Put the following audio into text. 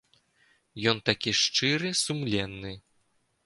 Ён такі шчыры, сумленны.